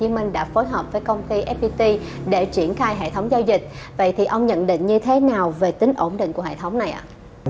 minh đã phối hợp với công ty fpt để triển khai hệ thống giao dịch vậy thì ông nhận định như thế nào về tính ổn định của hệ thống này ạ